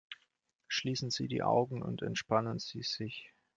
Schließen Sie die Augen und entspannen Sie sich!